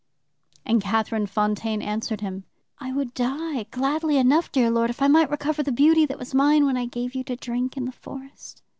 "And Catherine Fontaine answered him: "'I would die gladly enough, dear, dead lord, if I might recover the beauty that was mine when I gave you to drink in the forest.'